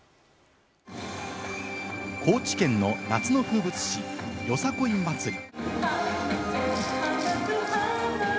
高知県の夏の風物詩・よさこい祭り。